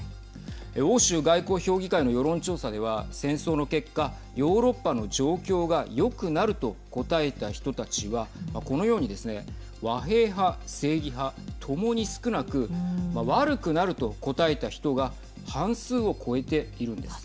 欧州外交評議会の世論調査では戦争の結果、ヨーロッパの状況がよくなると答えた人たちはこのようにですね和平派・正義派、ともに少なく悪くなると答えた人が半数を超えているんです。